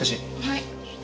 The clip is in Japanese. はい。